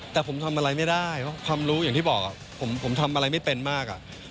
แต่ผมทำอะไรไม่ได้เพราะความรู้อย่างที่บอกผมทำอะไรไม่เป็นมาก